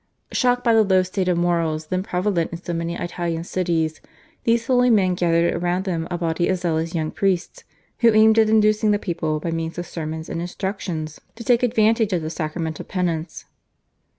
Shocked by the low state of morals then prevalent in so many Italian cities, these holy men gathered around them a body of zealous young priests, who aimed at inducing the people by means of sermons and instructions to take advantage of the sacrament of Penance.